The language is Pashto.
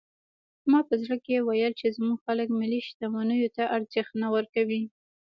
ما په زړه کې ویل چې زموږ خلک ملي شتمنیو ته ارزښت نه ورکوي.